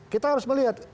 kita harus melihat